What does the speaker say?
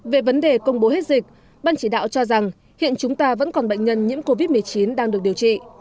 về vấn đề công bố hết dịch ban chỉ đạo cho rằng hiện chúng ta vẫn còn bệnh nhân nhiễm covid một mươi chín đang được điều trị